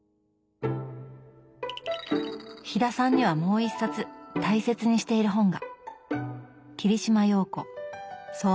飛田さんにはもう一冊大切にしている本が。